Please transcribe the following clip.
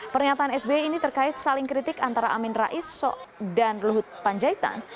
pernyataan sbi ini terkait saling kritik antara amin rais dan luhut panjaitan